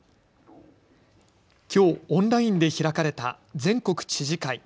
きょう、オンラインで開かれた全国知事会。